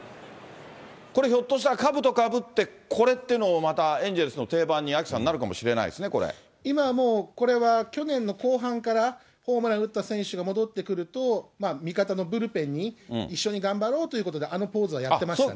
これ、ひょっとしたらかぶとかぶってこれっていうのもまた、エンゼルスの定番にアキさん、なるか今もうこれは去年の後半からホームラン打った選手が戻ってくると、味方のブルペンに一緒に頑張ろうということであのポーズはやってましたね。